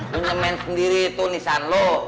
lu nyemen sendiri tuh nisan lu